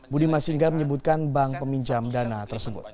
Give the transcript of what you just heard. budi masingga menyebutkan bank peminjam dana tersebut